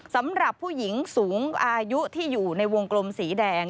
สำหรับผู้หญิงสูงอายุที่อยู่ในวงกลมสีแดง